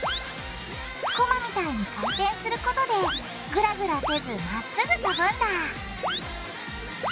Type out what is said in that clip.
コマみたいに回転することでグラグラせずまっすぐ飛ぶんだ